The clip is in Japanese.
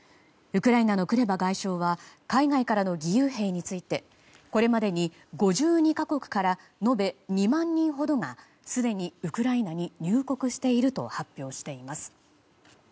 ウクライナのクレバ外相は海外からの義勇兵についてこれまでに５２か国から延べ２万人ほどがすでにウクライナに入国していると発表しています。